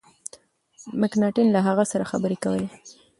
مکناټن له هغه سره خبري کولې.